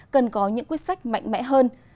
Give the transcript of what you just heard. cần có những quyết sách mạnh mẽ hơn